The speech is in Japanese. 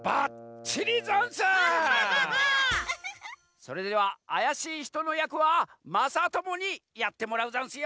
それではあやしいひとのやくはまさともにやってもらうざんすよ！